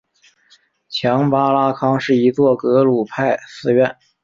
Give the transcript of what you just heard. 强巴拉康是一座格鲁派寺院。